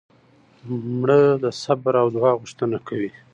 مړه د صبر او دعا غوښتنه کوي